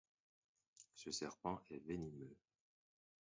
Ce serpent est venimeux.